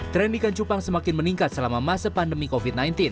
tren ikan cupang semakin meningkat selama masa pandemi covid sembilan belas